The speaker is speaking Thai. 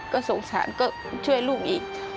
ก็สงสารก็ช่วยลูกอีก